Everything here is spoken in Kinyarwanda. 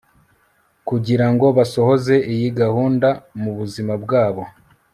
kugirango basohoze iyi gahunda mubuzima bwabo